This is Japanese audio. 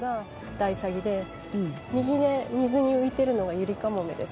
ダイサギで右で水に浮いているのがユリカモメです。